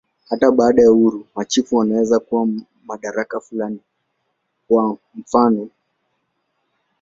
Hata baada ya uhuru, machifu wanaweza kuwa na madaraka fulani, kwa mfanof.